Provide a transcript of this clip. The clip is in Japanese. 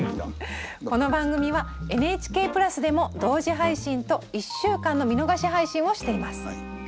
この番組はＮＨＫプラスでも同時配信と１週間の見逃し配信をしています。